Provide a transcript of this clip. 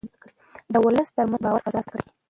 د ولس ترمنځ د باور فضا رامنځته کړئ.